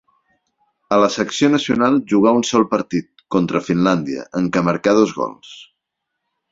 A la selecció nacional jugà un sol partit, contra Finlàndia, en què marcà dos gols.